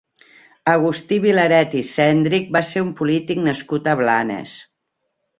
Agustí Vilaret i Cendrich va ser un polític nascut a Blanes.